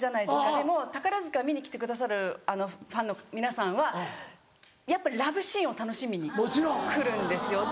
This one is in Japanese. でも宝塚見に来てくださるファンの皆さんはやっぱラブシーンを楽しみに来るんですよ。